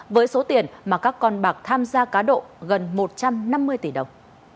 với số tiền mà các con bạc tham gia cá độ gần một trăm năm mươi tỷ đồng